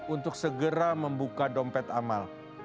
untuk segera membuka dompet amal